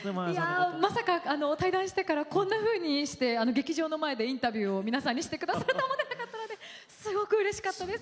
いやまさか退団してからこんなふうにして劇場の前でインタビューを皆さんにしてくださると思ってなかったのですごくうれしかったです。